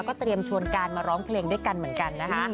เตรียมชวนการมาร้องเพลงด้วยกันเหมือนกันนะคะ